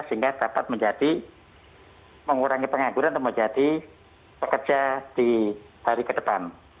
sehingga dapat menjadi mengurangi pengangguran untuk menjadi pekerja di hari ke depan